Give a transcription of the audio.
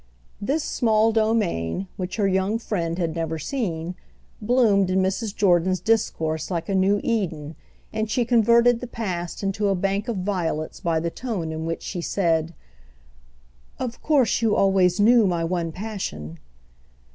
This small domain, which her young friend had never seen, bloomed in Mrs. Jordan's discourse like a new Eden, and she converted the past into a bank of violets by the tone in which she said "Of course you always knew my one passion!"